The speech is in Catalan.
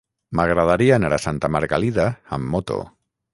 M'agradaria anar a Santa Margalida amb moto.